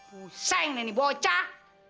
pusing nih nih bocah